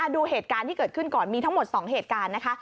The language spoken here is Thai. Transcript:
ดูเหตุการณ์ที่เกิดขึ้นก่อนมีทั้งหมด๒เหตุการณ์นะคะ